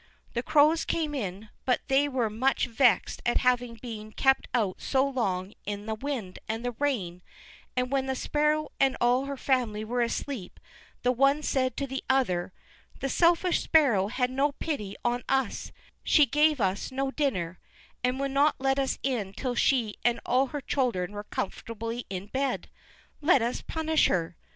The Crows came in, but they were much vexed at having been kept out so long in the wind and the rain, and when the Sparrow and all her family were asleep, the one said to the other: "This selfish Sparrow had no pity on us; she gave us no dinner, and would not let us in till she and all her children were comfortably in bed; let us punish her."